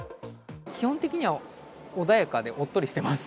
基本的には穏やかでおっとりしてます。